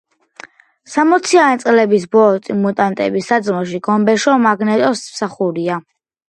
სამოციანი წლების ბოროტი მუტანტების საძმოში გომბეშო მაგნეტოს მსახურია.